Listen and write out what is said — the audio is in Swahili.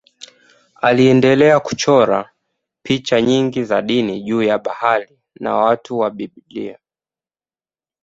Aliendelea kuchora picha nyingi za dini juu ya habari na watu wa Biblia.